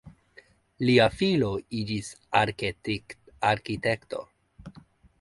Lia filo iĝis arkitekto.